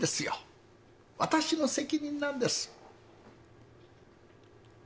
わたしの責任なんです。